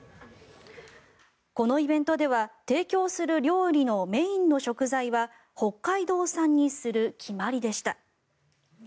このイベントでは提供する料理のメインの食材は北海道産にする決まりでした。